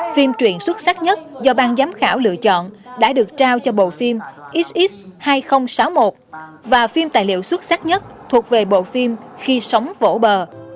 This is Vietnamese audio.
phim truyện xuất sắc nhất do bang giám khảo lựa chọn đã được trao cho bộ phim xx hai nghìn sáu mươi một và phim tài liệu xuất sắc nhất thuộc về bộ phim khi sống vỗ bờ